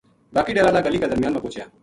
باقی ڈیرا ہالا گلی کا درمیان ما پوہچیا